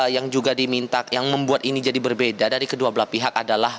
yang juga diminta yang membuat ini jadi berbeda dari kedua belah pihak adalah